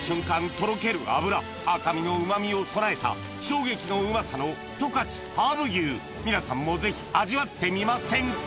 とろける脂赤身の旨味を備えた衝撃のうまさの十勝ハーブ牛皆さんもぜひ味わってみませんか？